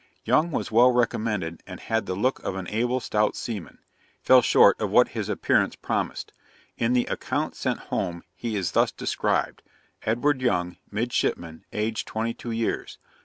'Young was well recommended, and had the look of an able, stout seaman; he, however, fell short of what his appearance promised. [In the account sent home he is thus described: Edward Young, midshipman, aged twenty two years.